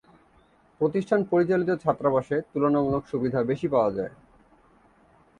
প্রতিষ্ঠান পরিচালিত ছাত্রাবাসে তুলনামূলক সুবিধা বেশি পাওয়া যায়।